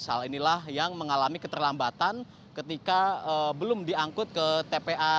hal inilah yang mengalami keterlambatan ketika belum diangkut ke tpa